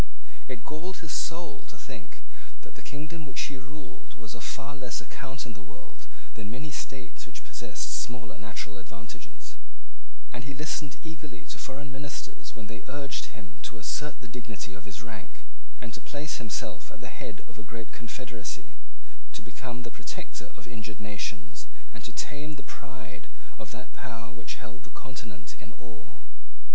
It galled his soul to think that the kingdom which he ruled was of far less account in the world than many states which possessed smaller natural advantages; and he listened eagerly to foreign ministers when they urged him to assert the dignity of his rank, to place himself at the head of a great confederacy, to become the protector of injured nations, and to tame the pride of that power which held the Continent in awe.